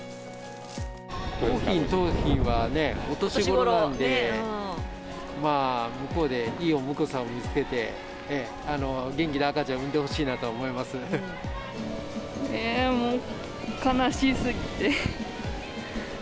桜浜、桃浜はお年頃なので、まあ、向こうでいいお婿さんを見つけて、元気な赤ちゃんを産んでほしいなええ、もう、悲しすぎて。